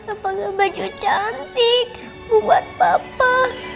aku pakai baju cantik buat papa